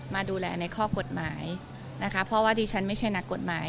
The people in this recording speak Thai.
มาดูแลในข้อกฎหมายนะคะเพราะว่าดิฉันไม่ใช่นักกฎหมาย